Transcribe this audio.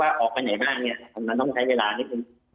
ออกไปไหนบ้างเนี่ยมันต้องใช้เวลานิดนึง